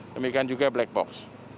demikian juga black box